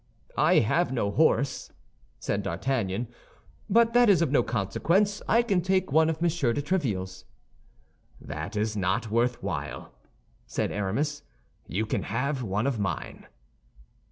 "I have no horse," said D'Artagnan; "but that is of no consequence, I can take one of Monsieur de Tréville's." "That is not worth while," said Aramis, "you can have one of mine."